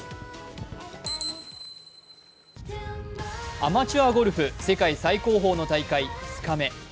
アマチュアゴルフ世界最高峰の大会、２日目。